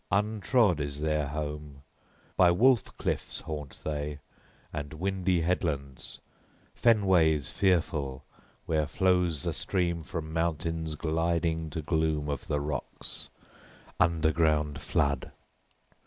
Untrod is their home; by wolf cliffs haunt they and windy headlands, fenways fearful, where flows the stream from mountains gliding to gloom of the rocks, underground flood.